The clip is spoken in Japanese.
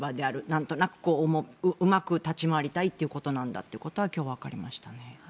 何となくうまく立ち回りたいということなんだということが今日、分かりました。